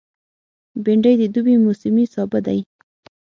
بېنډۍ د دوبي موسمي سابه دی